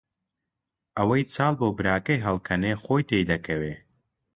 ئەوەی چاڵ بۆ براکەی هەڵکەنێ خۆی تێی دەکەوێ !